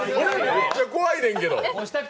めっちゃ怖いねんけど！